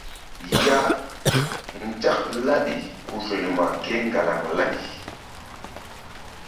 Ya Nzak laɓi ku firma kéŋgalaŋ laɓi.